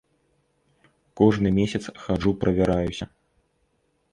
Кожны месяц хаджу правяраюся.